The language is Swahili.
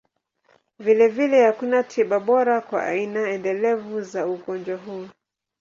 Vilevile, hakuna tiba bora kwa aina endelevu za ugonjwa huu.